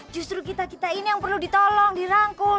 justru kita kita ini yang perlu ditolong dirangkul